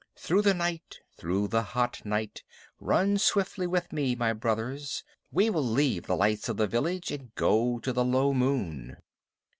Through the night, through the hot night, run swiftly with me, my brothers. We will leave the lights of the village and go to the low moon.